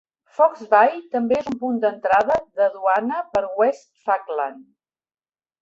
Fox Bay també és un punt d'entrada de duana per West Falkland.